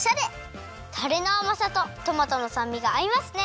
タレのあまさとトマトのさんみがあいますね。